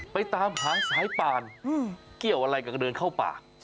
ไปตามหาสายป่านเกี่ยวอะไรกับเดินเข้าป่า